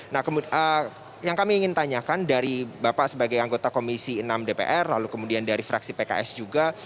nah yang kami ingin tanyakan dari bapak sebagai anggota komisi enam dpr lalu kemudian dari fraksi pks juga